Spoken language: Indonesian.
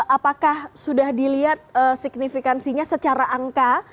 apakah sudah dilihat signifikansinya secara angka